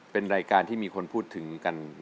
เป็นรายการที่มีคนพูดถึงกัน